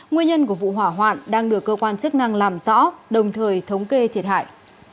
nguyên nhân của vụ hỏa hoạn đang được cơ quan chức năng làm rõ đồng thời thống kê thiệt hại